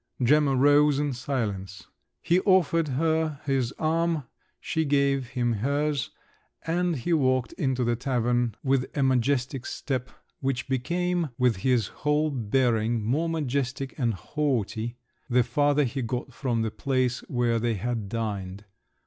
Gemma rose in silence; he offered her his arm, she gave him hers, and he walked into the tavern with a majestic step, which became, with his whole bearing, more majestic and haughty the farther he got from the place where they had dined.